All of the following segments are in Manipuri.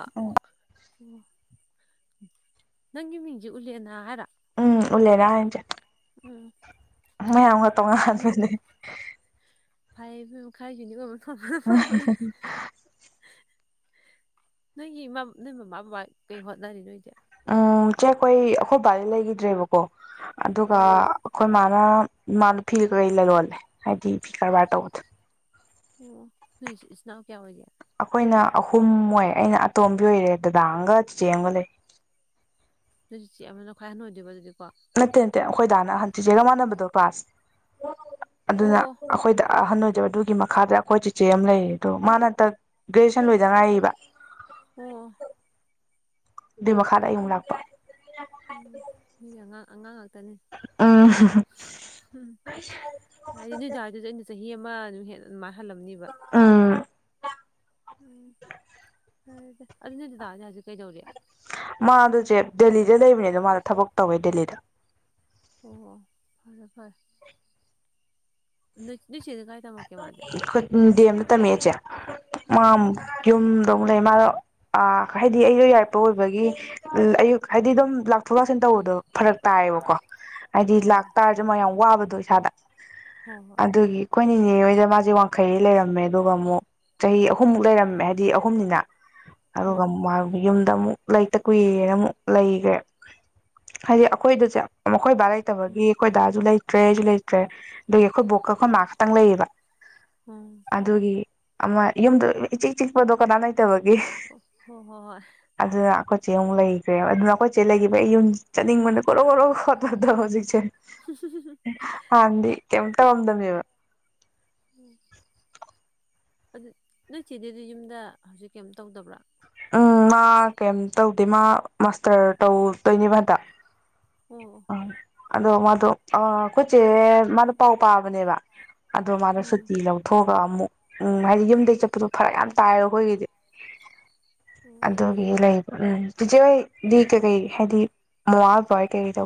ꯑ ꯎ ꯅꯪꯒꯤ ꯃꯤꯡꯁꯤ ꯎꯂꯦꯅ ꯍꯥꯏꯔ ꯎꯝ ꯎꯂꯦꯅ ꯍꯥꯏꯅꯦ ꯆꯦ ꯎꯝ [unintelligible] ꯇꯣꯉꯥꯟꯕꯅꯦ ꯅꯣꯏꯒꯤ [unintelligible] [unintelligible] ꯅꯣꯏꯒꯤ ꯏꯃꯥ ꯅꯣꯏ ꯃꯃꯥ ꯕꯕꯥ ꯀꯩ ꯍꯣꯠꯅꯔꯤ ꯅꯣꯏꯗꯤ ꯎꯝ ꯆꯦ ꯑꯩꯈꯣꯏ ꯑꯩꯈꯣꯏ ꯕꯥꯗꯤ ꯂꯩꯒꯤꯗ꯭ꯔꯦ ꯕꯀꯣ ꯑꯗꯨꯒ ꯑꯣ ꯑꯩꯈꯣꯏ ꯃꯥ ꯃꯅ ꯐꯤ ꯀꯧ ꯂꯂꯣꯟꯂꯦ ꯍꯥꯏꯗꯤ ꯐꯤ ꯀꯔꯕꯥꯔ ꯇꯧꯕꯗꯨ ꯑꯣ ꯅꯣꯏ ꯏꯆꯤꯟ ꯏꯅꯥꯎ ꯀꯌꯥ ꯑꯣꯏꯒꯦ ꯑꯈꯣꯏꯅ ꯑꯍꯨꯝ ꯑꯣꯏ ꯑꯩꯅ ꯑꯇꯣꯝꯕꯤ ꯑꯣꯏꯔꯦ ꯗꯗꯥ ꯑꯃꯒ ꯆꯤ ꯆꯦꯝꯒ ꯂꯩ꯫ ꯑꯗꯨꯗꯤ ꯆꯦ ꯑꯃꯅ ꯈ꯭ꯋꯥꯏ ꯑꯍꯟ ꯑꯣꯏꯗꯨꯏꯕ ꯗꯨꯗꯤ ꯅꯠꯇꯦ ꯅꯠꯇꯦ ꯑꯈꯣꯏ ꯗꯥꯅ ꯑꯍꯟ ꯆꯤꯆꯦꯒ ꯃꯥꯟꯅꯕꯗꯣ ꯀ꯭ꯂꯥꯁ ꯑꯗꯨꯅ ꯑꯣ ꯑꯩꯈꯣꯏꯗꯥ ꯑꯍꯟ ꯑꯣꯏ ꯑꯗꯨꯒꯤ ꯃꯈꯥꯗ ꯑꯩꯈꯣꯏ ꯆꯤꯆꯦ ꯑꯃ ꯂꯩꯔꯤ ꯑꯗꯣ ꯃꯥꯅ ꯍꯟꯇꯛ ꯒ꯭ꯔꯦꯖꯨꯋꯦꯁꯟ ꯂꯣꯏꯗ ꯉꯥꯏꯔꯤꯌꯦꯕ ꯑꯣ ꯑꯗꯨꯏ ꯃꯈꯥꯗ ꯑꯩ ꯑꯃꯨꯛ ꯂꯥꯛꯄ꯫ ꯎꯝ ꯅꯒꯤ ꯑꯉꯥꯡ ꯑꯉꯥꯡ ꯉꯥꯛꯇꯅꯤ ꯎꯝ ꯍꯨꯝ ꯍꯥꯏꯗꯤ ꯅꯣꯏꯗꯥꯗꯨꯗꯤ ꯑꯩꯅ ꯆ ꯆꯍꯤ ꯑꯃ [unintelligible] ꯑꯗꯨꯃꯥꯏ ꯍꯜꯂꯝꯅꯤꯕ ꯎꯝ ꯎꯝ ꯍꯗ ꯑꯗꯨꯗꯥꯅꯦ [unintelligible] ꯃꯥ ꯑꯗꯨ ꯆꯦ ꯗꯦꯜꯂꯤ ꯁꯤꯗ ꯂꯩꯕꯅꯤꯗꯣ ꯃꯥꯗꯣ ꯊꯕꯛ ꯇꯧꯋꯦ ꯗꯦꯜꯂꯤꯗ꯫ ꯑꯣ ꯑ [unintelligible] ꯈꯨꯠ ꯗꯦꯝ ꯗ ꯇꯝꯃꯛꯏ ꯆꯦ ꯃꯥ ꯎꯝ ꯌꯨꯝꯗ ꯑꯃꯨꯛ ꯂꯩ ꯃꯥꯗꯣ ꯑ ꯍꯥꯏꯗꯤ ꯑꯩ ꯌꯥꯏꯔꯤꯄꯣꯛ ꯑꯣꯏꯕꯒꯤ ꯑꯌꯨꯛ ꯍꯥꯏꯗꯤ ꯑꯗꯨꯝ ꯂꯥꯛꯊꯣꯛ ꯂꯥꯛꯁꯤꯟ ꯇꯧꯕꯗꯣ ꯐꯔꯛ ꯇꯥꯏꯕꯥꯀꯣ꯫ ꯍꯥꯏꯗꯤ ꯍꯣꯏ ꯂꯥꯛꯇꯥꯔꯁꯨ ꯃꯌꯥꯝ ꯋꯥꯕꯗꯣ ꯏꯁꯥꯗ꯫ ꯍꯣꯏ ꯍꯣꯏ ꯑꯗꯨꯒꯤ ꯑꯩꯈꯣꯏꯅꯤꯅꯦ ꯍꯣꯏꯗ ꯃꯥꯁꯦ ꯋꯥꯡꯈꯩꯗ ꯂꯩꯔꯝꯃꯦ ꯑꯗꯨꯒ ꯑꯃꯨꯛ ꯆꯍꯤ ꯑꯍꯨꯝꯃꯨꯛ ꯂꯩꯔꯝꯃꯦ ꯍꯥꯏꯗꯤ ꯑꯍꯨꯝꯅꯤꯅ꯫ ꯑꯗꯨꯒ ꯎꯝ ꯃ ꯌꯨꯝꯗ ꯑꯃꯨꯛ ꯂꯩꯇ ꯀꯨꯏꯔꯦꯅ ꯑꯃꯨꯛ ꯂꯩꯒ꯭ꯔꯦ ꯍꯥꯏꯗꯤ ꯑꯩꯈꯣꯏꯗꯣ ꯆꯦ ꯑꯃ ꯑꯩꯈꯣꯏ ꯕꯥ ꯎꯝ ꯂꯩꯇꯕꯒꯤ ꯑꯩꯈꯣꯏ ꯗꯥꯁꯨ ꯂꯩ ꯇ꯭ꯔꯦꯁꯨ ꯑꯩꯁꯨ ꯂꯩꯇ꯭ꯔꯦ ꯑꯗꯨꯏ ꯈꯣꯏ ꯕꯣꯛꯀꯥ ꯈꯣꯏ ꯃꯒꯥ ꯈꯤꯇꯪ ꯂꯩꯌꯦꯕ꯫ ꯎꯝ ꯑꯗꯨꯒꯤ ꯑꯃ ꯌꯨꯝꯗꯨ ꯏꯆꯤꯛ ꯆꯤꯛꯄꯗꯨ ꯀꯥꯅꯝ ꯂꯩ ꯇꯕꯒꯤ ꯍꯣ ꯍꯣꯏ ꯍꯣꯏ ꯑꯗꯨꯅ ꯑꯈꯣꯏ ꯆꯦ ꯑꯃꯨꯛ ꯂꯩꯈ꯭ꯔꯦꯕ ꯑꯗꯨꯅ ꯑꯩꯈꯣꯏ ꯆꯦ ꯂꯩꯈꯤꯕ ꯑꯩ ꯌꯨꯝ ꯆꯠꯅꯤꯡꯃꯟꯕ ꯈꯣꯔꯣ ꯈꯣꯔꯣ ꯈꯣꯠꯄꯗꯣ ꯍꯧꯖꯤꯛꯁꯦ꯫ ꯍꯥꯟꯗꯤ ꯀꯩꯝ ꯇꯧꯔꯝꯗꯕꯅꯦꯕ꯫ ꯑꯗꯨ ꯅꯣꯏ ꯆꯦꯗꯨꯗꯤ ꯌꯨꯝꯗ ꯍꯧꯖꯤꯛ ꯀꯩꯝ ꯇꯧꯗꯕ꯭ꯔꯥ꯫ ꯎꯝ ꯃꯥ ꯀꯩꯝ ꯇꯧꯗꯦ ꯃꯥ ꯃꯥꯁꯇꯔ ꯇꯧꯗꯣꯏꯅꯦꯕ ꯍꯟꯗꯛ꯫ ꯑꯣ ꯑꯣ ꯑꯪ ꯑꯗꯣ ꯃꯥꯗꯣ ꯑ ꯑꯩꯈꯣꯏ ꯆꯦ ꯃꯥꯗꯣ ꯄꯥꯎ ꯄꯥꯕꯅꯦꯕ ꯑꯗꯣ ꯃꯥꯗꯣ ꯎꯝ ꯁꯨꯇꯤ ꯂꯧꯊꯣꯛ ꯑꯃꯨꯛ ꯎꯝ ꯍꯥꯏꯗꯤ ꯌꯨꯝꯗꯒꯤ ꯆꯠꯄꯗꯣ ꯐꯔꯛ ꯌꯥꯝ ꯇꯥꯏꯕ ꯑꯩꯈꯣꯏꯒꯤꯗꯤ ꯎꯝ ꯑꯗꯨꯒꯤ ꯂꯩ ꯍꯣꯔꯦꯟ ꯆꯤꯆꯦꯗꯤ ꯎꯝ ꯀꯩꯀꯩ ꯍꯥꯏꯗꯤ ꯃꯋꯥ ꯄꯔꯥꯀꯩꯗꯣ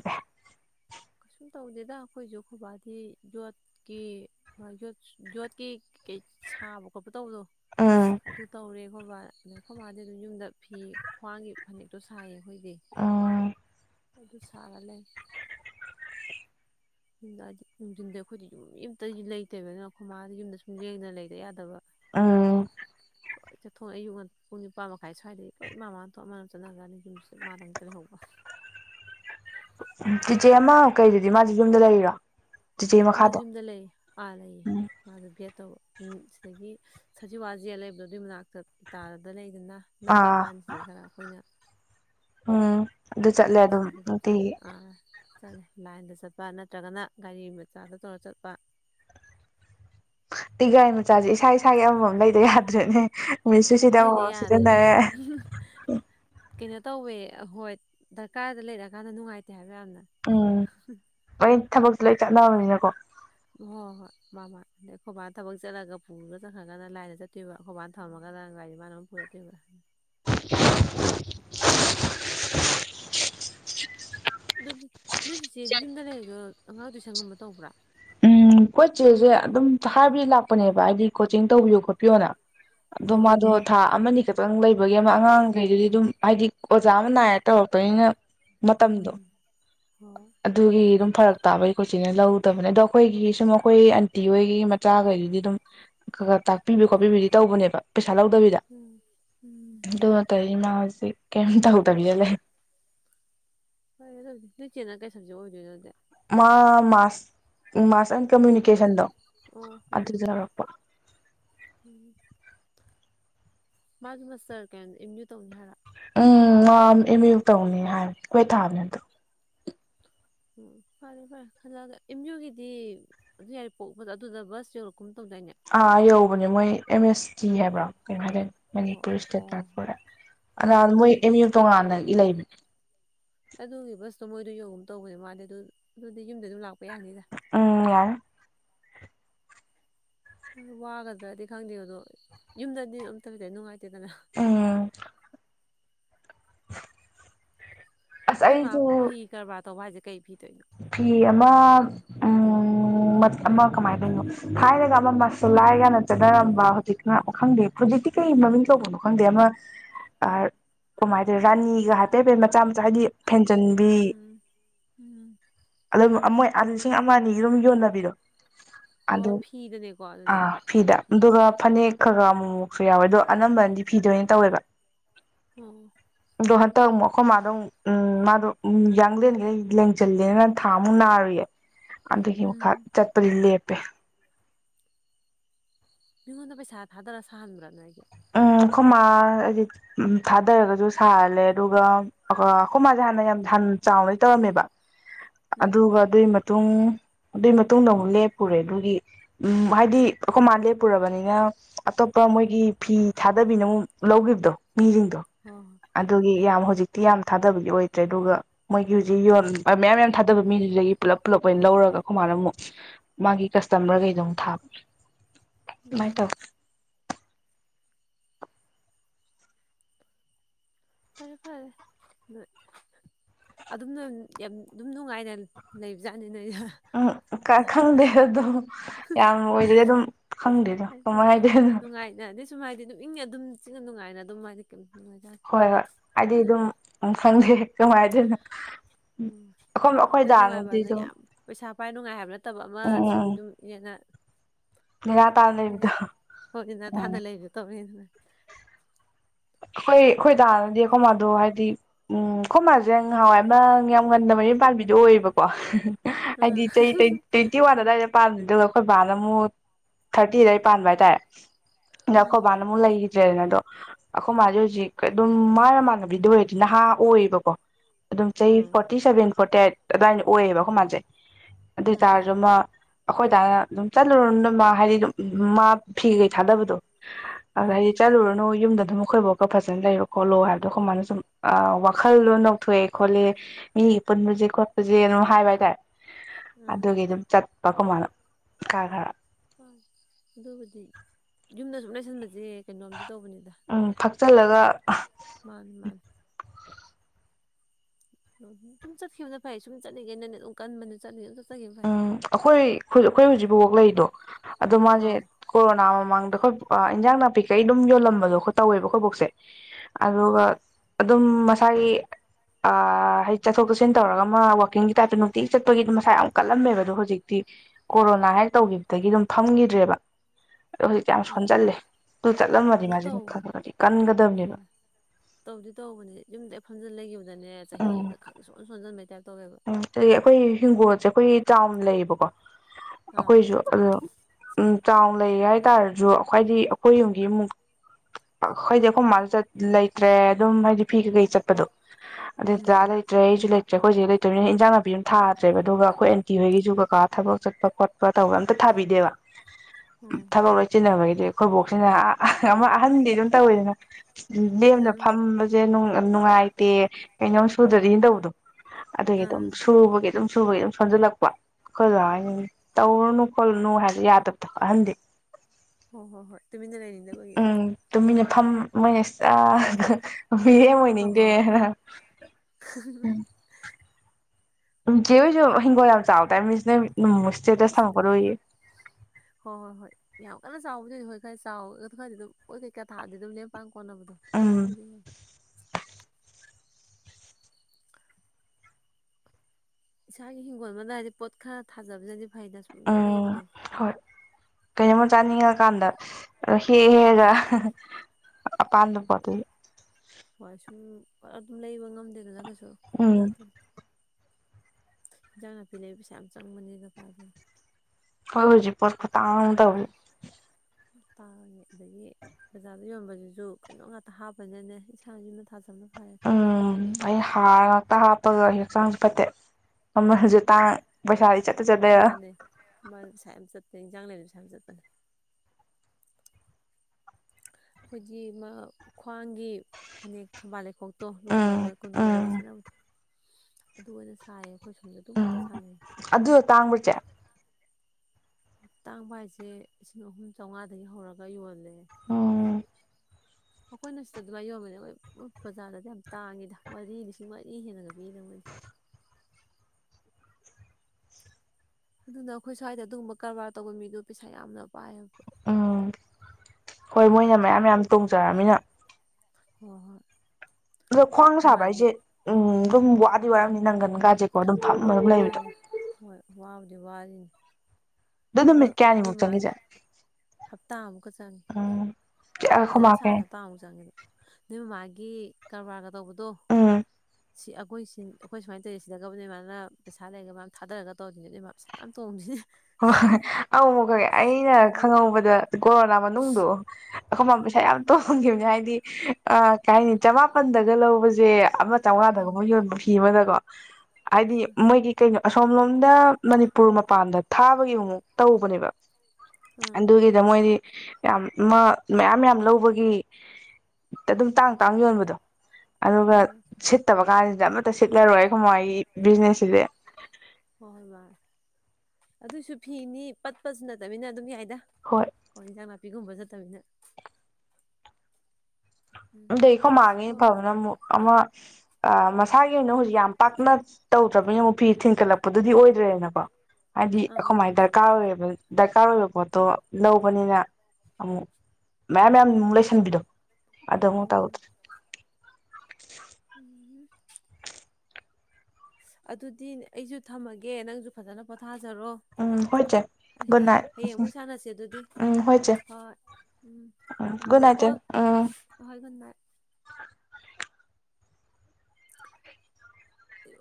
ꯀꯩꯁꯨꯝ ꯇꯧꯗꯦꯗ ꯑꯩꯈꯣꯏꯁꯨ ꯈꯨꯕꯥꯗꯤ ꯌꯣꯠꯀꯤ ꯌꯣꯠꯀꯤ ꯀꯩ ꯁꯥꯕ ꯈꯣꯠꯄ ꯇꯧꯕꯗꯣ ꯎꯝ ꯑꯗꯨ ꯇꯧꯔꯦꯈꯣꯕ ꯑꯗꯣ ꯑꯩꯈꯣꯏ ꯃꯥꯗꯤ ꯑꯗꯨꯝ ꯌꯨꯝꯗ ꯐꯤ ꯈ꯭ꯋꯥꯡꯒꯤ ꯐꯅꯦꯛꯇꯣ ꯁꯥꯏꯌꯦ ꯑꯩꯈꯣꯏꯗꯤ ꯎꯝ ꯑꯗꯨ ꯁꯥꯔꯂꯩ [unintelligible] ꯅꯨꯡꯊꯤꯟꯗ ꯑꯩꯈꯣꯏꯗꯤ ꯌꯨꯝ ꯑꯝꯇꯗꯤ ꯂꯩꯇꯕꯅꯤꯅ ꯑꯩꯈꯣꯏ ꯃꯥꯗ ꯌꯨꯝꯗ ꯁꯨꯝ ꯂꯦꯡꯗꯅ ꯂꯩꯗ ꯌꯥꯗꯕ ꯑꯥ ꯂꯣꯏ ꯆꯠꯊꯣꯛꯑꯦ ꯑꯌꯨꯛ ꯄꯨꯡ ꯅꯤꯄꯥꯟ ꯃꯈꯥꯏ ꯁ꯭ꯋꯥꯏꯗꯒꯤ ꯂꯣꯏ ꯃꯃꯥꯟ ꯊꯣꯛ ꯃ ꯆꯠꯅꯈ꯭ꯔꯅꯤ ꯌꯨꯝꯁꯤꯗ ꯃꯥꯂꯪꯇ ꯂꯩꯍꯧꯕ ꯆꯤꯆꯦ ꯑꯃ ꯀꯩꯗꯨꯗꯤ ꯃꯥꯁꯦ ꯌꯨꯝꯗ ꯂꯩꯔꯤꯔꯣ ꯆꯤꯆꯦ ꯃꯥꯁꯨ ꯃꯈꯥꯗꯣ ꯌꯨꯝꯗ ꯂꯩꯌꯦ ꯑꯥ ꯂꯩꯌꯦ ꯎꯝ ꯃꯥꯗꯣ ꯚꯦꯠ ꯇꯧꯕ ꯎ ꯁꯤꯗꯒꯤ ꯁꯖꯤꯋꯥꯖꯦꯜ ꯂꯩꯕꯗꯣ ꯑꯗꯨꯏ ꯃꯅꯥꯛꯇ ꯇꯥꯔꯗꯅ ꯂꯩ ꯑꯗꯨꯅ ꯅꯛꯑꯦ ꯑꯥ ꯃꯥꯥꯟ ꯁꯤꯗꯩ ꯈꯔ ꯑꯩꯈꯣꯏꯅ ꯎꯝ ꯑꯗꯨ ꯆꯠꯂꯦ ꯃꯁꯤꯗꯒꯤ ꯑꯗꯨꯝ ꯆꯠ ꯅꯨꯡꯇꯤꯒꯤ ꯑꯥ ꯆꯠꯂꯦ ꯂꯥꯏꯟꯗ ꯆꯠꯄ ꯅꯠꯇ꯭ꯔꯒꯅ ꯒꯥꯔꯤ ꯃꯆꯥꯗ ꯇꯧꯔ ꯆꯠꯄ ꯇꯤꯒꯥꯏ ꯃꯆꯥꯁꯦ ꯏꯁꯥ ꯏꯁꯥꯒꯤ ꯑꯃꯃꯝ ꯂꯩꯗ ꯌꯥꯗ꯭ꯔꯦꯅꯦ ꯃꯤꯁꯨꯁꯤꯗ ꯂꯩꯗ ꯌꯥꯗ꯭ꯔꯦ ꯁꯤꯗꯟꯅꯔꯦ ꯀꯩꯅꯣ ꯇꯧꯋꯦ ꯍꯣꯏ ꯗꯔꯀꯥꯔꯗ ꯂꯩꯔꯛꯑꯀꯥꯟꯗ ꯅꯨꯡꯉꯥꯏꯇꯦ ꯍꯥꯏꯕ ꯌꯥꯝꯅ ꯊꯕꯛꯛꯁꯤ ꯂꯣꯏ ꯆꯠꯅꯕꯅꯤꯅꯀꯣ ꯍꯣꯏ ꯍꯣꯏ ꯃꯥ ꯃꯥ ꯑꯗꯩ ꯈꯣ ꯕꯥꯟ ꯊꯕꯛ ꯆꯠꯂꯒ ꯄꯨꯔꯒ ꯆꯠꯈ꯭ꯔꯒꯗ ꯂꯥꯏꯅ ꯆꯠꯇꯣꯏꯕ ꯈꯣꯏꯕꯥꯟ ꯊꯝꯃꯒꯗ ꯒꯥꯔꯤ ꯃꯥꯅ ꯑꯗꯨꯝ ꯄꯨ ꯆꯠꯇꯣꯏꯕ [unintelligible] ꯑꯗꯨꯗꯤ ꯅꯣꯏ ꯆꯤꯠꯆꯦꯗꯤ ꯌꯨꯝꯗ ꯂꯩꯔꯒꯣ ꯑꯉꯥꯡ ꯇꯨꯏꯁꯪꯒꯨꯝꯕ ꯇꯧꯕ꯭ꯔꯥ ꯎꯝ ꯀꯣꯏꯆꯦꯁꯦ ꯑꯗꯨꯝ ꯍꯥꯏꯕꯤ ꯂꯥꯛꯄꯅꯦꯕ ꯍꯥꯏꯗꯤ ꯀꯣꯆꯤꯡ ꯇꯧꯕꯤꯌꯣ ꯈꯣꯠꯄꯤꯌꯣꯅ ꯑꯥ ꯃꯗꯣ ꯊꯥ ꯑꯃꯅꯤ ꯀ ꯇꯪ ꯂꯩꯕꯒꯤ ꯑꯃ ꯑꯉꯥꯡꯈꯩꯗꯨꯗꯤ ꯑꯗꯨꯝ ꯍꯥꯏꯗꯤ ꯑꯣꯖꯥ ꯑꯃ ꯅꯥꯏꯔ ꯇꯧꯔꯛꯇꯤꯏꯅꯤꯅ ꯃꯇꯝꯗꯣ ꯃꯥꯅꯦ ꯍꯣꯏ ꯑꯗꯨꯒꯤ ꯑꯗꯨꯝ ꯐꯔꯛ ꯇꯥꯕꯒꯤ ꯈꯣꯏꯆꯦꯅ ꯂꯧꯗꯕꯅꯦ ꯑꯗꯣ ꯑꯩꯈꯣꯏꯒꯤ ꯁꯨꯝ ꯑꯩꯈꯣꯏ ꯑꯟꯇꯤ ꯍꯣꯏꯒꯤ ꯃꯆꯥꯈꯩꯗꯨꯗꯤ ꯑꯗꯨꯝ ꯈ ꯈ ꯇꯥꯛꯄꯤꯕ ꯈꯣꯠꯄꯤꯕꯗꯤ ꯇꯧꯕꯅꯦꯕ ꯄꯩꯁꯥ ꯂꯧꯗꯕꯤꯗ ꯎꯝ ꯎꯝ ꯑꯗꯨꯅ ꯇꯩ ꯃꯥꯁꯦ ꯀꯩꯝ ꯇꯧꯗꯕꯤ ꯂꯩ ꯍꯣꯏꯗꯤ ꯆꯦꯅ ꯀꯩ ꯁꯕꯖꯦꯛ ꯑꯣꯏꯗꯣꯏꯅꯣ ꯑꯗꯨꯗꯤ ꯃꯥ ꯃꯥꯁ ꯃꯥꯁ ꯃꯥꯁꯀꯨꯝ ꯀꯃꯨꯅꯤꯀꯦꯁꯟꯗꯣ ꯑꯣ ꯑꯗꯨꯗ ꯂꯧꯔꯛꯄ ꯎꯝ ꯃꯥꯗꯨ ꯃꯁꯇꯔ ꯀꯩꯅꯣ ꯑꯦꯝ꯭ꯌꯨ ꯇꯧꯅꯤ ꯍꯥꯏꯔꯣ ꯎꯝ ꯃꯥ ꯑꯦꯝ ꯌꯨ ꯇꯧꯅꯤ ꯍꯥꯏꯕ ꯀꯨꯋꯦꯠ ꯊꯥꯕꯅꯦ ꯍꯟꯗꯛ ꯎꯝ ꯐꯔꯦ ꯐꯔꯦ ꯈꯜꯂꯑꯒ ꯏꯦꯝ ꯌꯨꯒꯤꯗꯤ ꯑꯗꯨ ꯌꯥꯏꯔꯤꯄꯣꯛꯄꯗ ꯑꯗꯨꯗ ꯕꯁ ꯌꯧꯔꯛꯄ ꯑꯥ ꯌꯧꯕꯅꯦ ꯃꯣꯏ ꯑꯦꯝ ꯑꯦꯁ ꯇꯤ ꯍꯥꯏꯕ꯭ꯔꯥ ꯍꯥꯏꯗꯥꯏ ꯍꯣ ꯍꯣ ꯃꯅꯤꯄꯨꯔ ꯍꯣ ꯏꯁꯇꯦꯠ ꯇ꯭ꯔꯥꯟꯁꯄꯣꯔ ꯑ ꯃꯣꯏ ꯑꯗꯨꯒꯤꯗꯨ ꯑꯦꯝ ꯌꯨ ꯇꯣꯉꯥꯟꯅ ꯂꯩꯕꯅꯦ ꯑꯗꯨꯒꯤ ꯕꯁꯇꯣ ꯃꯣꯏꯗꯣ ꯌꯧꯒꯨꯝ ꯇꯧꯕꯅꯦ ꯃꯥꯗꯤ ꯑꯗꯨ ꯗꯨꯗꯤ ꯌꯨꯝꯗꯩ ꯗꯨꯝ ꯂꯥꯛ ꯄ ꯌꯥꯅꯤꯗ ꯎꯝ ꯌꯥꯔꯦ ꯍꯣꯏ ꯋꯥꯒꯗ꯭ꯔꯗꯤ ꯈꯪꯗꯦ ꯑꯗꯣ ꯌꯨꯝꯗꯤ ꯑꯝꯇ [unintelligible] ꯅꯨꯡꯉꯥꯏꯇꯦꯗꯅ ꯎꯝ ꯑꯁ ꯅꫭꯏꯃꯥ ꯑꯩꯁꯨ ꯐꯤ ꯀꯔꯕꯥ ꯇꯧꯕ ꯍꯥꯏꯖꯦ ꯀꯩ ꯐꯤ ꯇꯧ ꯐꯤ ꯑꯃ ꯎꯝ ꯃꯠ ꯑꯃ ꯀꯃꯥꯏꯅ ꯍꯥꯏꯗꫭꯏꯅꯣ ꯊꯥꯏꯅꯒ ꯑꯃ ꯃꯁꯂꯥꯏ ꯀꯥꯏꯅ ꯆꯠꯅꯔꯝꯕ ꯈꯪꯗꯦ ꯍꯧꯖꯤꯛꯅ ꯈꯪꯗꯦ ꯍꯧꯖꯤꯛꯇꯤ ꯀꯩ ꯃꯃꯤꯡ ꯀꯧꯕꯅꯣ ꯈꯪꯗꯦ ꯑꯃ ꯀꯃꯥꯏꯅ ꯍꯥꯏꯗꫭꯏꯅꫭ ꯔꯥꯅꯤꯒ ꯍꯥꯏꯐꯦꯠ ꯍꯥꯏꯐꯦꯠ‌ ꯃꯆꯥ ꯃ ꯆꯥ ꯍꯥꯏꯗꯤ ꯐꯅꯦꯛ ꯎꯝ ꯐꯦꯟꯖꯟꯕꯤ ꯎꯝ ꯑꯗꯨꯝ ꯑ ꯃꫭꯏ ꯑ ꯂꯤꯁꯤꯡ ꯐꯅꯦꯛ ꯑꯃ ꯑꯅꯤ ꯗꯨꯝ ꯌꯣꯟꯅꯕ ꯕꯤꯔꯣ ꯑꯗꯨ ꯑꯣ ꯐꯤꯗꯅꯦꯀꯣ ꯑꯗꯨꯗꯤ ꯑꯥ ꯐꯤꯗ ꯐꯤ ꯑꯗꯨꯒ ꯐꯅꯦꯛ ꯈꯔ ꯈꯔ ꯑꯃꯨꯛ ꯃꯣꯛꯁꯨ ꯌꯥꯎꯋꯦ ꯑꯗꯣ ꯑꯅꯝꯕꯅꯗꯤ ꯐꯤꯗ ꯑꯣꯏꯅ ꯇꯧꯋꯦꯕ ꯑꫭ ꯑꯗꯣ ꯍꯟꯇꯛ ꯃꯨꯛ ꯑꯈꯣꯏ ꯃꯥꯗꯣ ꯎꯝ ꯃꯥꯗꯣ ꯎꯝ ꯌꯥꯡꯂꯦꯟꯒꯩ ꯂꯦꯡꯖꯜꯂꯦꯅ ꯊꯥꯃꯨꯛ ꯅꯥꯔꯨꯏꯌꯦ ꯑꯗꯨꯒꯤ ꯃꯨꯛ ꯈꯛ ꯎꯝ ꯆꯠꯄꯗꯤ ꯂꯦ ꯄꯦ ꯃꯤꯉꯣꯟꯗ ꯄꯩꯁꯥ ꯊꯥꯗꯔ ꯁꯥꯍꯟꯕ꯭ꯔꯥ ꯅꯣꯏꯒꯤ ꯎꯝ ꯈꫭꯃꯥ ꯑꯗꯤ ꯎꯝ ꯊꯥꯗꯔꯒꯁꯨ ꯁꯥꯍꯜꯂꯦ ꯑꯗꯨꯒ ꯑꯈ ꯈꯨꯣꯃꯥꯁꯦ ꯍꯥꯟꯅ ꯌꯥꯝ ꯊꯝ ꯍꯥꯟꯅ ꯆꯥꯎꯅꯗꯤ ꯇꯧꯔꯝꯃꯦꯕ ꯎꯝ ꯑꯗꯨꯗꯒꯗꯨꯏ ꯃ ꯃꯇꯨꯡ ꯑꯗꯨꯏ ꯃꯇꯨꯡꯗ ꯑꯃꯨꯛ ꯂꯦꯞꯄꯨꯔꯦ ꯑꯗꯨꯒꯤ ꯎꯝ ꯍꯥꯏꯗꯤ ꯑꯩꯈꯣꯏ ꯃꯥꯅ ꯂꯦꯞꯄꯨꯔꯕꯅꯤꯅ ꯑꯇꯣꯞꯄ ꯃꯣꯏꯒꯤ ꯐꯤ ꯊꯥꯗꯕꯤꯅ ꯑꯃꯨꯛ ꯂꯧꯒꯤꯕꯗꯣ ꯃꯤꯁꯤꯡꯗꯣ ꯍꯣꯏ ꯍꯣꯏ ꯑꯗꯨꯒꯤ ꯎꯝ ꯌꯥꯝ ꯍꯧꯖꯤꯛꯇꯤ ꯌꯥꯝ ꯊꯥꯗꯕꯒꯤ ꯑꯣꯏꯗ꯭ꯔꯦ ꯑꯗꯨꯒ ꯃꯣꯏꯒꯤ ꯍꯨꯖꯤꯛ ꯌꯣꯟ ꯑ ꯃꯌꯥꯝ ꯃꯌꯥꯝ ꯊꯥꯗꯕ ꯃꯤꯗꯨꯗꯒꯤ ꯄꯨꯂꯞ ꯄꯨꯂꯞ ꯑꯣꯏꯅ ꯂꯧꯔꯒ ꯈꫭꯃꯥꯏꯅ ꯑꯃꯨꯛ ꯃꯥꯒꯤ ꯀꯁꯇꯃꯔꯈꯩꯗ ꯃꯨꯛ ꯊꯥꯕ ꯃꯥꯏ ꯇꯧ ꯎꯝ ꯐꯔꯦ ꯐꯔꯦ [unintelligible] ꯑꯗꯨꯝꯅ ꯌꯥꯝ ꯗꯨꯝ ꯅꯨꯡꯉꯥꯏꯅ ꯂꯩꯕ ꯖꯥꯠꯅꯦ ꯎꯝ ꯀ ꯈꯪꯗꯦ ꯑꯗꯨꯝ ꯌꯥꯝ ꯑꯣꯏꯗꯦ ꯑꯗꯨꯝ ꯈꯪꯗꯦꯗꯣ ꯍꯥꯏꯗꯤ ꯀꯃꯥꯏ ꯍꯥꯏꯗꯣꯏꯅꯣ ꯅꯨꯡꯉꯥꯏꯅ ꯑꯗꯤ ꯁꯨꯝ ꯍꯥꯏꯗꯤ ꯏꯪꯅ ꯑꯗꯨꯝ ꯆꯤꯛꯅ ꯅꯨꯡꯉꯥꯏꯅ ꯑꯗꯨꯝ ꯍꯥꯏꯗꯤ ꯀ ꯍꯣꯏ ꯍꯣꯏ ꯍꯥꯏꯗꯤ ꯑꯗꯨꯝ ꯎꯝ ꯈꯪꯗꯦ ꯀꯃꯥꯏ ꯍꯥꯏꯗꯣꯏꯅꯣ ꯅꯪꯖꯦ ꯅꯨꯡꯉꯥꯏꯗꫭꯏꯅꯤ ꯎꯝ ꯍꯦꯛꯇ ꯑꯩꯈꯣꯏ ꯑꯩꯈꯣꯏ ꯗꯥꯅꯗꯤ ꯅꯨꯡꯉꯥꯏꯕꯅ ꯑꯗꯨꯝ ꯌꯥꯝ ꯄꯩꯁꯥ ꯄꯥꯏ ꯅꯨꯡꯉꯥꯏ ꯍꯥꯏꯕ ꯅꯠꯇꯕ ꯑꯃ ꯎꯝ ꯎꯝ ꯁꯨꯝ ꯎꯝ ꯑꯗꯨꯝ ꯌꯦꯅ ꯅꯦꯅꯥ ꯇꯥꯅ ꯍꯥꯏ ꯂꯩꯕꯗꯣ ꯍꯥꯏꯗꯤꯅ ꯊꯥꯗ ꯎꯝ ꯂꯩꯕ ꯅꯠꯇꯕꯅꯤꯅ ꯈꯣꯏ ꯈꯣꯏ ꯗꯥꯅꯗꯤ ꯈꯣꯏꯃꯥꯗꯣ ꯍꯥꯏꯗꯤ ꯎꯝ ꯈꯣꯏꯃꯥꯁꯦ ꯉꯍꯥꯋꯥꯏ ꯑꯃ‌ ꯌꯥꯝ ꯉꯟꯅ ꯃꯌꯨꯝ ꯄꯥꯟꯕꯤꯗꯣ ꯑꯣꯏꯌꯦꯕ [unintelligible] ꯍꯥꯏꯗꯤ ꯎꯝ ꯆꯍꯤ ꯇꫭꯏꯟ ꯇ꯭ꯋꯦꯟꯇꯤ ꯋꯥꯟꯗ ꯑꯗꯥꯏꯗ ꯄꯥꯟ [unintelligible] ꯑꯗꯨꯒ ꯑꯩꯈꯣꯏ ꯕꯥꯅ ꯃꯨꯛ ꯊꯥꯔꯇꯤ ꯑꯗꯥꯏ ꯄꯥꯟꯕ ꯍꯥꯏꯇꯥꯔꯦ ꯎꯝ ꯅꯈꯣꯕꯅ ꯑꯃꯨꯛ ꫪꯩꯏ ꯖꯦꫪꯤꯅꯗꯣ ꯑꯈꯣ ꯃꯥꯖꯤ ꯍꯧꯖꯤꯛ ꯀ ꯎꯝ ꯃꯥꯅꯃꯥꯟꯅꯕꯤꯗ ꯑꯣꯏꯔꯗꯤ ꯅꯍꯥ ꯑꯣꯏꯌꯦꯕꯀꯣ ꯑꯗꯨꯝ ꯆꯥꯍꯤ ꯎꯝ ꯐꯣꯔꯇꯤ ꯁꯦꯚꯦꯟ ꯐꯣꯔꯇꯤ ꯑꯥꯏꯠ ꯑꯗꯨꯏꯥꯏꯅ ꯑꯣꯏꯌꯦꯕꯀꯣ ꯃꯥꯁꯦ ꯑꯗꯨ ꯎꯝ ꯑꯣꯏꯇꯥꯔꯁꯨꯃ ꯑꯩꯈꯣꯏ ꯗꯅ ꯑꯗꯨꯝ ꯆꯠꯂꯨꯔꯣꯅꯣꯏ ꯃꯥ ꯍꯥꯏꯗꯤꯝ ꯃꯥ ꯐꯤ ꯀꯩ ꯊꯥꯗꯕꯗꯣ ꯑꯗꯥ ꯑꯩ ꯎꯝ ꯆꯠꯂꯨꯔꯅꯨ ꯌꯨꯝꯗ ꯑꯗꯨꯝ ꯑꯈꯣꯏꯕꯣꯛꯀ ꯐꯖꯟ ꯂꯩꯔꯣ ꯈꯣꯠꯂꯣ ꯍꯥꯏꯕꯗꯣ ꯑꯈꯣꯏꯃꯥꯅ ꯁꯨꯝ ꯑ ꯋꯥꯈꯜꯗꯣ ꯅꯧꯊꯣꯛꯑꯦ ꯈꯣꯠꯂꯦ ꯃꯤꯒꯤ ꯄꯨꯟꯕꯁꯦ ꯈꯣꯠꯄꯁꯦ ꯑꯗꯨꯝ ꯍꯥꯏꯕ ꯍꯥꯏꯇꯥꯔꯦ ꯎꯝ ꯑꯗꯨꯒꯤ ꯑꯗꯨꯝ ꯆꯠ ꯑꯈꯨꯃꯥꯅ ꯀꯥꫪ ꯈꯔ [unintelligible] ꯑꯗꯨꯕꯨꯗꯤ ꯌꯨꯝꯗ ꯁꯨꯝ ꯂꯩꯁꯟꯕꯁꯦ ꯖꯦ ꯀꯩꯅꯣꯝꯗꯤ ꯇꯧꯕꯅꯤꯗ ꯆꯜꯂꯒ ꯃꯥꯟꯅꯤ ꯃꯥꯥꯟ ꯑꯗꯨꯝ ꯁꯨꯝ ꯆꯠꯈꯤꯕꯅ ꯐꯩ ꯁꯨꯝ ꯆꯠꯂꯤꯒꯩꯅꯅꯦ ꯑꯗꯨꯝ ꯀꯟꯕꯅꯦ ꯆꯠꯂꯤ ꯆꯠꯆꯈꯤꯕ ꯐꯩ ꯎꯝ ꯑꯩꯈꯣꯏ ꯑꯩꯈꯣꯏ ꯍꯧꯖꯤꯛꯕꯣꯕꯣꯛ ꯂꯩꯔꯤꯗꯣ ꯑꯗꯣ ꯑꯥ ꯃꯥꯖꯦ ꯀꯣꯔꯣꯅꯥ ꯃꯃꯥꯡꯗ ꯑꯗ ꯑꯩꯈꯣꯏ ꯏꯟꯖꯥꯡ ꯅꯥꯄꯤ ꯀꯩ ꯑꯗꯨꯝ ꯌꯣꯜꯂꯝꯕꯗꯣ ꯑꯩ ꯇꯧꯋꯦꯕ ꯑꯩꯈꯣꯏ ꯕꯨꯛꯁꯦ ꯑꯥ ꯑꯗꯨꯒ ꯑꯗꯨꯝ ꯃꯁꯥꯒꯤ ꯑ ꯍꯥꯏꯗꯤ ꯆꯠꯊꯣꯛ ꯆꯠꯁꯤꯟ ꯇꯧꯔꯒ ꯑꯃ ꯋꯥꯛꯀꯤꯡꯒꯤ ꯇꯥꯏꯞꯇ ꯅꯨꯡꯇꯤꯒꯤ ꯆꯠꯄꯒꯤꯝ ꯗꯨꯝ ꯃꯁꯥ ꯌꯥꯝ ꯀꯜꯂꯝꯃꯦꯕ ꯑꯗꯣ ꯍꯧꯖꯤꯛꯇꯤ ꯀꯣꯔꯣꯅꯥ ꯍꯦꯛ ꯇꯧꯒꯤꯕꯗꯒꯤ ꯑꯗꯨꯝ ꯐꯝꯒꯤꯗ꯭ꯔꯦꯕ ꯑꯗꯣ ꯍꯧꯖꯤꯛꯇꯤ ꯌꯥꯝ ꯑꯥ ꯁꯣꯟꯖꯜꯂꯦ ꯑꯗꯨ ꯆꯠꯂꯝꯃꯗꯤ ꯑꯗꯨ ꯃꯥꯖꯦ ꯇꯧꯕꯅꯦ ꯈꯒꯗꯤ ꯀꯟꯒꯗꯕꯅꯦꯕ ꯃꯥꯅꯤ ꯗꯅꯦ ꯆꯍꯤ ꯑ ꯑꯃꯗ ꯈꯪ ꯁꯣꯟ ꯁꯣꯟꯖꯟꯕꯩ ꯇꯥꯏꯞꯇꯥꯥꯏ ꯎꯝ ꯑꯗꯒꯤ ꯑꯩꯈꯣꯏ ꯍꯤꯡꯒꯣꯜꯁꯦ ꯑꯩꯈꯣꯏ ꯆꯥꯎꯅ ꯂꯩꯌꯦꯕꯀꯣ ꯑꯥ ꯑꯩꯈꯣꯏꯁꯨ ꯑꯗꯨ ꯎꯝ ꯆꯥꯎ ꯂꯩꯔꯦ ꯍꯥꯏꯇꯥꯔꯁꯨ ꯍꯥꯏꯗꯤ ꯑꯩꯈꯣꯏ ꯌꯨꯝꯒꯤ ꯑꯃꯨꯛ ꯑꯈꯣꯏꯗꯤ ꯑꯩꯈꯣꯏ ꯃꯥꯁꯨ ꯆꯠ ꯂꯩꯇ꯭ꯔꯦ ꯑꯗꯨꯝ ꯍꯥꯏꯗꯤ ꯐꯤ ꯀꯩꯀꯩ ꯆꯠꯄꯗꯣ ꯑꯗ ꯗꯥ ꯎꯝ ꯂꯩꯇꯔ꯭ꯦ ꯑꯩꯖꯨ ꯂꯩ ꯆ ꯈꯣꯏ ꯖꯦꯂꯦ ꯇꯨꯔꯤꯅ ꯏꯟꯖꯥꯡ ꯅꯥꯄꯤ ꯑꯃ ꯊꯥꯗ꯭ꯔꯦꯕ ꯑꯗꯨꯒ ꯑꯩꯈꯣꯏ ꯑꯦꯟꯇꯤ ꯍꯣꯏꯒꯤꯁꯨꯨ ꯀꯀꯥ ꯊꯕꯛ ꯆꯠꯄ ꯈꯣꯠꯄ ꯇꯧꯕ ꯑꯝꯇ ꯊꯥꯕꯤꯗꯦꯕ ꯎꯝ ꯎꯝ ꯊꯕꯛ ꯂꯣꯏ ꯆꯤꯟꯅꯕꯒꯤ ꯑ ꯑꯩꯈꯣꯏꯕꯣꯛꯁꯤꯅ ꯑꯃ ꯑꯍꯟꯗꯤ ꯑꯗꯨꯝ ꯇꯧꯋꯤꯗꯅ ꯎ ꯂꯦꯝꯗ ꯎꯝ ꯐꯝꯕꯁꯦꯅꯨꯡ ꯅꯨꯡꯉꯥꯏꯇꯦ ꯀꯩꯅꯣꯝ ꯁꯨꯗꯔꯤꯅ ꯇꯧꯕꯗꯣ ꯑꯗꯨꯒꯤ ꯑꯥ ꯑꯗꯨꯝ ꯑꯥ ꯁꯨꯕꯒꯤ ꯑꯗꯨꯝ ꯁꯨꯕꯒꯤ ꯑꯗꯨ ꯁꯣꯟꯖꯜꯂꯛꯄ ꯑꯩꯈꯣꯏꯂꯥ ꯍꯥꯏ ꯇꯧꯔꯨꯅꯨ ꯈꯣꯠꯂꯨꯅꯨ ꯍꯥꯏꯕ ꯌꯥꯗꯕꯗꯣ ꯑꯍꯟꯗꯤ ꯍꯣꯏ ꯍꯣ ꯍꯣꯏ ꯇꯃꯤ ꯅ ꯂꯩꯅꯤꯗꯕꯒꯤ ꯃ ꯐꯐꯝ ꯃꯅꯤꯁ ꯍꯣꯏ ꯍꯣꯏ ꯃꯣꯏꯅꯤꯡꯗꯦ ꯍꯣꯏ ꯅꯨꯡꯆꯦ ꯍꯣꯏꯁꯨ ꯍꯤꯡꯒꯣꯜ ꯌꯥꯝ ꯆꯥꯎ ꯇ ꯃꯤꯁꯤꯅꯦ ꯅꯃꯁꯦꯗ ꯁꯒꯔ ꯑꯣꯏꯌꯦꯦ ꯍꯣꯏ ꯍꯣꯏ ꯍꯣꯏ ꯌꯥꯝ ꯀꯟꯅ ꯆꯥꯎꯕꯗꯤ ꯍꯣꯏ ꯈꯔ ꯆꯥꯎꯒ ꯈꯔꯗꯤ ꯑꯗꯨꯝꯣꯏꯩ ꯀꯥ ꯊꯥꯗꯤ ꯑꯗꯨꯝꯦꯝ ꯄ ꯄꯗ ꯑꯗꯨ ꯎꯝ ꯏꯁꯥ ꯀ ꯍꯤꯡꯒꯜ ꯃ ꯍꯥꯏꯗꯤ ꯄꯣꯠ ꯈꯥ ꯊꯥꯖꯕꯗꯤ ꯐꯩꯗ ꯁꯨꯝ ꯂꯣꯏ ꯂꯩꯕꯗꯣ ꯀꯩꯅꯕ ꯆꯥꯅꯤꯡꯉ ꯀꯥꯟꯗ ꯍ ꯍꯦꯒ ꯋꯥꯁꯨꯨꯝ ꯑꯗꯨꯝ ꯂꯩꯕ ꯉꯝꯗꯦ ꯖꯥ ꯀꯩꯁꯨ ꯎꯝ ꯈꯨꯗꯛꯇꯗꯤ ꯏꯟꯖꯥꯡ ꯅꯥꯄꯤ ꯂꯩ ꯄꯩꯁꯥ ꯌꯥꯝ ꯆꯪꯕꯅꯤ ꯗꯀꯥꯒꯤ ꯍ ꯍꯧꯖꯤ ꯄꯄꯠꯇ ꯑꯗꯕꯨ ꯇꯥꯔꯦ ꯑꯗꯒꯤ ꯕꯖꯥꯔꯗ ꯌꯣꯟꯕꯗꯨꯁꯨ ꯀꯩꯅꯣ ꯉꯥꯛꯇ ꯍꯥꯞꯄꯅꯅꯦ ꯏꯁꯥꯒꯤ ꯃꯊꯥꯖꯝ ꯍꯥꯄꯒ ꯍꯛꯆꯥꯡꯁꯨ ꯐꯠꯇꯦ ꯃꯃꯜꯁꯨ ꯇꯥꯡ ꯄꯩꯁꯥꯗꯤ ꯆꯠꯇ ꯆꯠ ꯂꯩꯔ ꯃꯥꯅꯦ ꯃꯥꯅꯦ ꯄꯩꯁꯥ ꯌꯥꯝ ꯆꯠꯂ‌ꯦ ꯏꯟꯁꯥꯡ ꯌꯥꯝ ꯆꯠꯄꯅꯤ ꯑꯩꯈꯣꯏꯒꯤ ꯑꯃ ꯈ꯭ꯋꯥꯡꯒꯤ ꯐꯅꯦꯛ ꯊꯝꯕꯥꯜ ꯂꯩꯈꯣꯛ ꯇꯣ ꯂꯨꯍꯣꯡꯕ ꯎꯝ ꯀꯨꯟꯗ‌ꯣ ꯎꯝ ꯂ‌‌ꯦꯡꯕꯗ ꯁ‌ꯦꯠꯅꯕꯗꯣ ꯑꯗꯨꯒ ꯑꯣꯏꯅ ꯁꯥꯏꯌ‌ꯦ ꯑꯩꯈꯣꯏ ꯁꯨꯝꯗ ꯑꯗꯨ ꯉꯥꯛꯇ ꯎꯝ ꯁꯥꯟꯅꯩ ꯑꯗꯨꯗꯣ ꯇꯥꯡꯕ꯭ꯔ ꯆꯦ ꯇꯥꯡꯕ ꯍꯥꯏꯁꯦ ꯂꯤꯁꯤꯡ ꯑꯍꯨꯝ ꯆꯧꯉꯥꯗꯒꯤ ꯍꯧꯔꯒ ꯌꯣꯜꯂꯦ ꯑꯣ ꯑꯩꯈꯣꯏꯅ ꯁꯤꯗ ꯑꯗꯨꯃꯥꯏ ꯌꯣꯟꯕꯅꯤ ꯃ‌ꯣꯏ ꯕꯖꯥꯔꯗꯗꯤ ꯌꯥꯝ ꯇꯥꯡꯉꯤꯗ ꯃꯔꯤ ꯂꯤꯁꯤꯡ ꯃꯔꯤ ꯍꯦꯟꯅꯒ ꯄꯤꯗ ꯃꯣꯏꯗꯤ ꯑꯗꯨꯅ ꯑꯩꯈꯣꯏ ꯁ꯭ꯋꯥꯏꯗ ꯑꯗꯨꯒꯨꯝꯕ ꯀꯔꯕꯥꯔ ꯇꯧꯕ ꯃꯤꯗꯣ ꯄꯩꯁꯥ ꯌꯥꯝꯅ ꯄꯥꯏꯌꯦꯕ ꯎꯝ ꯍꯣꯏ ꯃꯣꯏꯅ ꯃꯌꯥꯝ ꯃꯌꯥꯝ ꯇꯣꯡꯖꯔꯝꯅꯤꯅ ꯍꯣꯏ ꯍꯣꯏ ꯑꯗꯨ ꯈ꯭ꯋꯥꯥꯡ ꯅꯣꯏ ꯁꯥꯕ ꯃꯥꯒꯤ ꯍꯥꯏꯁꯦ ꯎꯝ ꯑꯗꯨꯝ ꯋꯥꯗꯤ ꯋꯥꯔꯥꯝꯅꯤ ꯅꯪꯒꯟꯒꯥꯁꯦ ꯃꯥꯅꯦ ꯍꯣꯏ ꯋꯥꯕꯨꯗꯤ ꯋꯥꯔꯤꯅꯦ ꯑꯗꯨ ꯑꯗꯣ ꯅꯨꯃꯤꯠ ꯅꯣꯏ ꯀꯌꯥꯅꯤꯃꯨꯛ ꯃꯥꯒꯤ ꯆꯪꯒꯤꯖꯦ ꯍꯞꯇꯥ ꯑꯃꯨꯛꯀ ꯆꯪꯉꯦ ꯎꯝ ꯐꯖꯅ ꯈꯣꯃꯥꯈꯩ ꯁꯥꯔꯥ ꯍꯥꯞꯇꯥ ꯃꯨꯛ ꯆꯪꯉꯦ ꯅꯣꯏ ꯃꯃꯥꯒꯤ ꯒꯤ ꯀꯔꯕꯥꯔꯒ ꯇꯧꯕ ꯗꯣ ꯎꯝ ꯁꯤ ꯑꯩꯈꯣꯏ ꯁꯤ ꯑꯩꯈꯣꯏ ꯁꯨꯃꯥꯏꯅ ꯇꯧꯔꯤ ꯁꯤꯗꯒꯕꯅꯦ ꯅꯣꯏꯃꯥꯅ ꯄꯩꯁꯥ ꯂꯩꯒ ꯃꯌꯥꯝ ꯊꯥꯗꯔꯒ ꯇꯧꯔꯗꯤꯅꯦ ꯅꯣꯏꯃꯥ ꯄꯩꯁꯥ ꯃꯌꯥꯝ ꯇꯣꯡꯗꯣꯏꯅꯦ ꯍꯣꯏ ꯍꯣꯏ ꯑꯃꯨꯛ ꯑꯩꯅ ꯍꯥꯏꯗꯤ ꯈꯪꯍꯧꯕꯗ ꯀꯣꯔꯣꯅꯥ ꯃꯅꯨꯡꯗꯣ ꯑꯩꯈꯣꯏ ꯃꯥ ꯄꯩꯁꯥ ꯎꯝ ꯌꯥꯝꯅ ꯇꯣꯡꯉꯦ ꯍꯥꯏꯗꯤ ꯀꯩ ꯍꯥꯏꯅꯤ ꯆꯃꯥꯄꯟꯗꯒ ꯂꯧꯕꯁꯦ ꯑꯃ ꯆꯧꯉꯥꯗꯒ ꯃ‌ꯦꯏ ꯎꯝ ꯌꯣꯟꯕ ꯐꯤ ꯑꯃꯗꯒꯣ ꯍꯥꯏꯗꯤ ꯎꯝ ꯃꯣꯏꯒꯤ ꯀꯩꯅꯣ ꯑꯁꯣꯝꯂꯣꯝꯗ ꯃꯅꯤꯄꯨꯔ ꯃꯄꯥꯟꯗ ꯊꯥꯕꯒꯤ ꯑꯃꯨꯨꯛ ꯇꯧꯕꯅꯦꯕ ꯎꯝ ꯎꯝ ꯑꯗꯨꯒꯤꯗ ꯃꯣꯏꯗꯤ ꯌꯥꯝ ꯑꯃ ꯃꯌꯥꯝ ꯃꯌꯥꯝ ꯂꯧꯕꯒꯤ ꯑꯗꯨꯝ ꯇꯥꯡ ꯇꯥꯡ ꯌꯣꯟꯕꯗꯣ ꯑꯗꯨꯒ ꯎꯝ ꯁꯤꯠꯇꯕ ꯀꯥꯟꯁꯤꯗ ꯑꯃꯠꯇ ꯁꯤꯠꯂꯔꯣꯏ ꯑꯩꯈꯣꯏ ꯃꯥ ꯍ‌ꯣꯏꯒꯤ ꯕꯤꯖꯤꯅꯦꯁꯁꯤꯗꯤ ꯍꯣꯏ ꯍ‌ꯣꯏ ꯚꯥꯏ ꯑꯗꯨꯏꯁꯨ ꯐꯤꯅꯤ ꯄꯠꯄꯁꯨ ꯅꯠꯇꯝꯅꯤꯅ ꯑꯗꯨꯝ ꯌꯥꯏꯗ ꯗ ꯍꯣꯏ ꯀꯣ ꯑꯦꯟꯖꯥꯡ ꯅꯥꯄꯤ ꯄꯤꯒꯨꯝꯕ ꯅꯠꯇꯝꯅꯤꯅ ꯑꯗꯣ ꯑꯩꯈꯣꯢ ꯃꯥꯒꯤ ꯍꯣꯏ ꯐꯕꯅꯃꯨꯛ ꯑꯃ ꯑ ꯃꯁꯥꯒꯤ ꯑꯣꯏꯅ ꯍꯧꯖꯤꯛ ꯌꯥꯝ ꯄꯥꯛꯅ ꯇꯧꯗ꯭ꯔꯕꯅꯤꯅ ꯃꯨꯛ ꯐꯤ ꯊꯤꯟꯀꯠꯂꯛꯄꯗꯨꯗꯤ ꯑꯣꯏꯗ꯭ꯔꯦꯅꯀꯣ ꯍꯥꯏꯗꯤ ꯑꯥ ꯑꯩꯈꯣꯏ ꯃꯥꯒꯤ ꯗꯔꯀꯥꯔ ꯑꯣꯏ ꯗꯔꯀꯥꯔ ꯑꯣꯏꯕ ꯄꯣꯠꯇꯣ ꯂꯧꯕꯅꯤꯅ ꯑꯃꯨꯛ ꯃꯌꯥꯝ ꯃꯌꯥꯝ ꯑꯃꯨꯛ ꯂꯩꯁꯟꯕꯤꯗꯣ ꯑꯗ ꯃꯨꯛ ꯍꯣꯏ ꯇꯧꯗꯔ꯭ꯦ ꯎꯝ ꯑꯗꯨꯗꯤ ꯑꯩꯁꯨ ꯊꯝꯃꯒꯦ ꯅꯪꯁꯨ ꯐꯖꯅ ꯄꯣꯊꯥꯖꯔꯣ ꯎꯝ ꯍꯣꯏ ꯆꯦ ꯐꯖꯔꯣ ꯒꯨꯗ ꯍꯌꯦꯡ ꯅꯥꯏꯠ ꯍꯌꯦꯡꯃꯨꯛ ꯁꯥꯟꯅꯁꯦ ꯑꯗꯨꯗꯤ ꯎꯝ ꯆꯦ ꯍꯣꯏ ꯎꯝ ꯎꯝ ꯒꯨꯗ ꯅꯥꯏꯠ ꯆꯦ ꯊꯝꯃꯒꯦꯀꯣ ꯎꯝ ꯍꯣꯏ ꯒꯨꯠ ꯅꯥꯏꯠ ꯑꯌꯣ